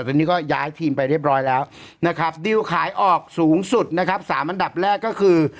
ตอนนี้ก็ย้ายทีมไปเรียบร้อยแล้วนะครับดิวขายออกสูงสุดนะครับสามอันดับแรกก็คือ